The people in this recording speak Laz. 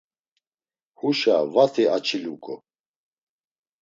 Huşa vati açiluǩo.